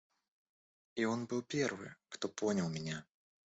И он был первый, кто понял меня.